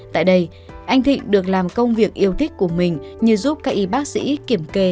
tại đây anh thịnh được làm công việc yêu thích của mình như giúp các y bác sĩ kiểm kê